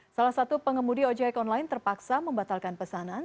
salah satu pengemudi ojek online terpaksa membatalkan pesanan